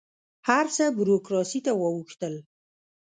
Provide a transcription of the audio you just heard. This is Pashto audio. هر څه بروکراسي ته واوښتل.